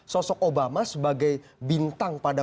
sosok obama sebagai bintang pada